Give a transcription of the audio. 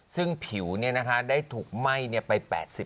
ซึ่งผิวได้ถูกไหม้ไป๘๐